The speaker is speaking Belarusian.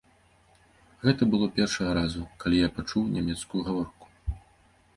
Гэта было першага разу, калі я пачуў нямецкую гаворку.